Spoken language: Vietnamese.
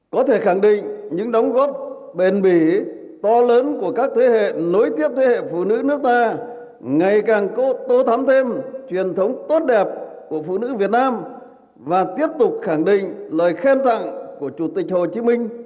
có thể khẳng định những đóng góp bền bỉ to lớn của các thế hệ nối tiếp thế hệ phụ nữ nước ta ngày càng tô thắm thêm truyền thống tốt đẹp của phụ nữ việt nam và tiếp tục khẳng định lời khen tặng của chủ tịch hồ chí minh